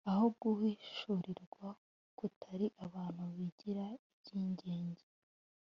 aho guhishurirwa kutari abantu bigira ibyigenge,